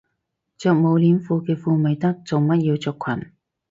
着冇褲鏈嘅褲咪得，做乜要着裙